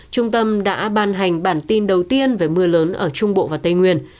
trung tâm đã ban hành bản tin đầu tiên về mưa lớn ở trung bộ và tây nguyên